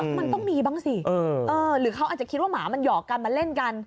มันต้องมีบ้างสิหรือเขาอาจจะคิดว่าหมามันหยอกกันมาเล่นกัน